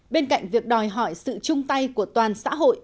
bên cạnh việc đòi hỏi sự chung tay của toàn xã hội